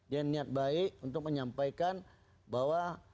dia niat baik untuk menyampaikan bahwa